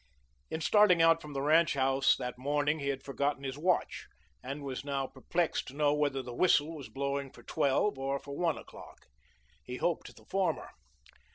In starting out from the ranch house that morning, he had forgotten his watch, and was now perplexed to know whether the whistle was blowing for twelve or for one o'clock. He hoped the former.